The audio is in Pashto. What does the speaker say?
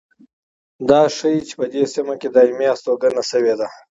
دا ښيي چې په دې سیمه کې دایمي هستوګنه شوې ده.